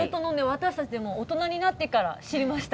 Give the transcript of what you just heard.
私たちでも大人になってから知りました。